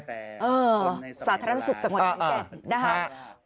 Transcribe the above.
สาธารณสุขจังหวัดทางแก่น